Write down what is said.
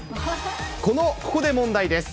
ここで問題です。